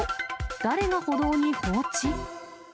誰が歩道に放置？